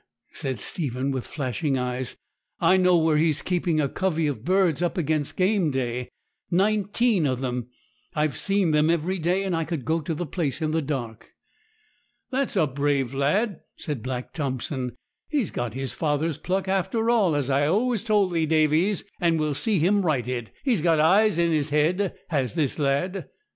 said Stephen, with flashing eyes; 'I know where he's keeping a covey of birds up against game day nineteen of them. I've seen them every day, and I could go to the place in the dark.' 'That's a brave lad!' said Black Thompson; 'he's got his father's pluck after all, as I've always told thee, Davies, and we'll see him righted. He's got his eyes in his head, has this lad!'